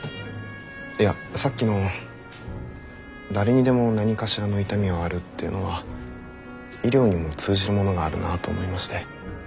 いやさっきの誰にでも何かしらの痛みはあるっていうのは医療にも通じるものがあるなと思いまして。